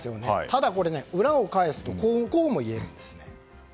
ただこれ、裏を返すとこうも言えるんです。